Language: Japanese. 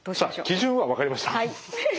基準は分かりましたよ。